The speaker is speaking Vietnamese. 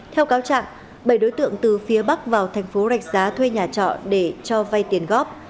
theo cáo trạng bảy đối tượng từ phía bắc vào thành phố rạch giá thuê nhà trọ để cho vay tiền góp